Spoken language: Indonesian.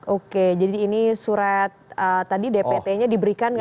oke jadi ini surat tadi dpt nya diberikan nggak